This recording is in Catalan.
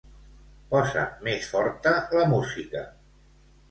Posa més forta la música.